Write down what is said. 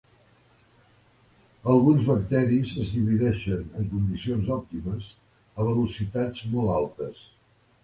Alguns bacteris es divideixen, en condicions òptimes, a velocitats molt altes.